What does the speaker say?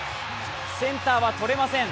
センターはとれません